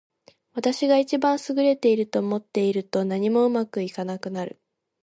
私が一番優れていると思っていると、何もうまくいかなくなる。